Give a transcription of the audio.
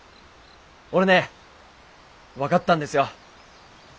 俺ね分かったんですよ。